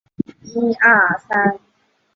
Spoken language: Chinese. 室内体育馆银川二中设有一间多功能体育馆。